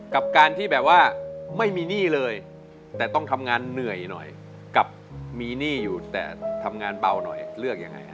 กับการที่แบบว่าไม่มีหนี้เลยแต่ต้องทำงานเหนื่อยหน่อยกับมีหนี้อยู่แต่ทำงานเบาหน่อยเลือกยังไงฮะ